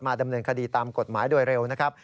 ดำเนินคดีตามกฎหมายโดยเร็วนะครับ